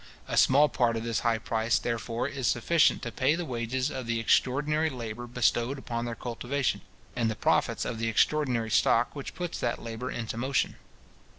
A small part of this high price, therefore, is sufficient to pay the wages of the extraordinary labour bestowed upon their cultivation, and the profits of the extraordinary stock which puts that labour into motion.